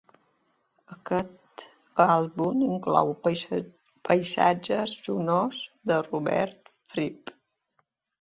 Aquest àlbum inclou paisatges sonors de Robert Fripp.